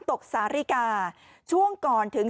สุดยอดดีแล้วล่ะ